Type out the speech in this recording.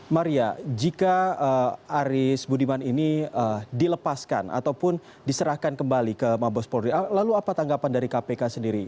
maria jika aris budiman ini dilepaskan ataupun diserahkan kembali ke mabes polri lalu apa tanggapan dari kpk sendiri